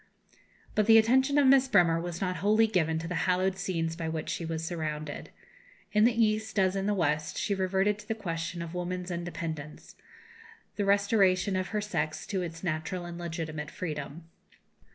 But the attention of Miss Bremer was not wholly given to the hallowed scenes by which she was surrounded. In the East, as in the West, she reverted to the question of woman's independence, the restoration of her sex to its natural and legitimate freedom.